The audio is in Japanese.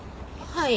はい。